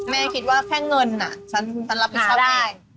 แม่คิดว่าแค่เงินฉันรับผิดชอบเอง